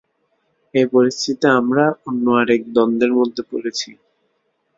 এই পরিস্থিতিতে আমরা অন্য আরেক দ্বন্দ্বের মধ্যে পড়েছি।